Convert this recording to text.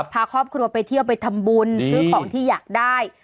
พาครอบครัวไปเที่ยวไปทำบุญซื้อของที่อยากได้